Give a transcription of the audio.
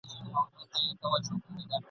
خو هغه د همدغو !.